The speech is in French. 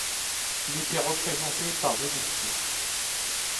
Il était représenté par deux députés.